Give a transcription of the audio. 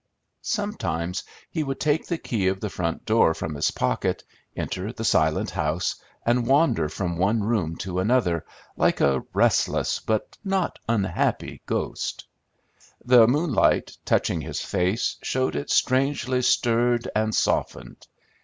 Sometimes he would take the key of the front door from his pocket, enter the silent house, and wander from one room to another, like a restless but not unhappy ghost; the moonlight, touching his face, showed it strangely stirred and softened.